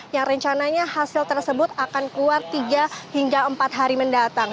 yang rencananya hasil tersebut akan keluar tiga hingga empat hari mendatang